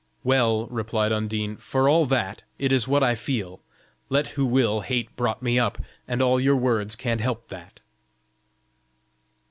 "Well," replied Undine, "for all that, it is what I feel, let who will hate brought me up, and all your words can't help that."